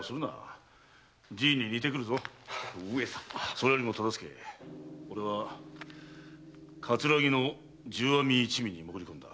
それよりも忠相俺は葛城の重阿弥一味にもぐり込んだ。